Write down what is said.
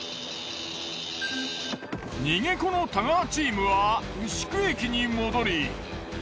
逃げ子の太川チームは牛久駅に戻り。